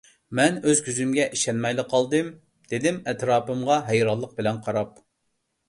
— مەن ئۆز كۆزۈمگە ئىشەنمەيلا قالدىم، — دېدىم ئەتراپىمغا ھەيرانلىق بىلەن قاراپ.